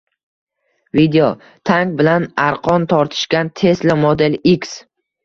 Video: Tank bilan arqon tortishgan Tesla Model X